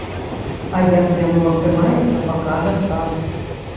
А як яно атрымаецца, пакажа час.